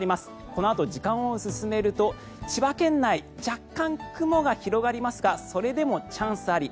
このあと時間を進めると千葉県内若干、雲が広がりますがそれでもチャンスあり。